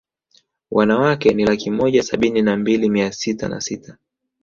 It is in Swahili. Wanawake ni laki moja sabini na mbili mia sita na sita